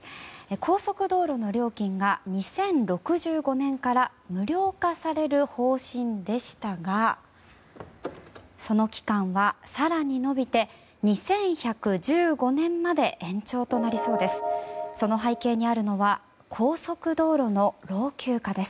高速道路の料金が２０６５年から無料化される方針でしたがその期間は更に延びて２１１５年まで延長となりそうです。